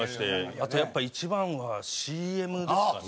あと一番はＣＭですかね。